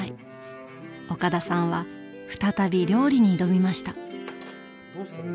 岡田さんは再び料理に挑みました。